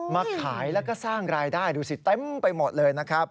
มาขายแล้วก็สร้างรายได้ดูสิเต็มไปหมดเลยนะครับ